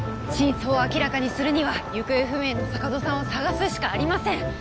真相を明らかにするには行方不明の坂戸さんを捜すしかありません